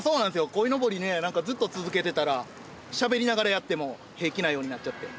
鯉のぼりねなんかずっと続けてたらしゃべりながらやっても平気なようになっちゃって。